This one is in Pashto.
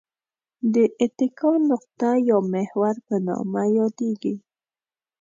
د اتکا نقطه یا محور په نامه یادیږي.